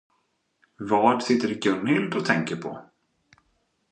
Vad sitter Gunhild och tänker på.